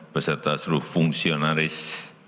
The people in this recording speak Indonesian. beserta seluruh fungsionaris